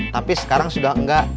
tapi sekarang sudah enggak